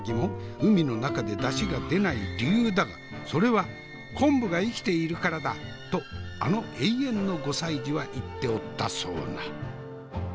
海の中でだしが出ない理由だがそれは「昆布が生きているからだ」とあの永遠の５歳児は言っておったそうな。